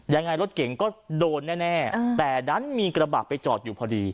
ยังไงรถเก่งก็โดนแน่แต่ดันมีกระบะไปจอดอยู่พอดี